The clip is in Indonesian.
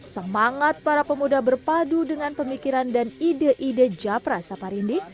semangat para pemuda berpadu dengan pemikiran dan ide ide japra saparindik